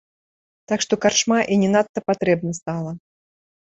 Так што карчма і не надта патрэбна стала.